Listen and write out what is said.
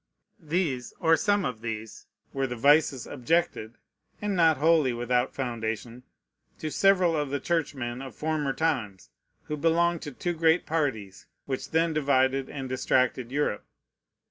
These, or some of these, were the vices objected, and not wholly without foundation, to several of the churchmen of former times, who belonged to the two great parties which then divided and distracted Europe.